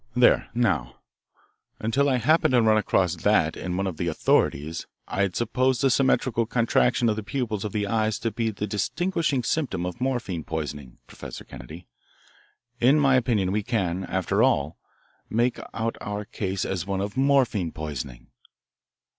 "There, now, until I happened to run across that in one of the authorities I had supposed the symmetrical contraction of the pupils of the eyes to be the distinguishing symptom of morphine poisoning Professor Kennedy, in my opinion we can, after all, make out our case as one of morphine poisoning."